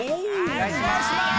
おねがいします！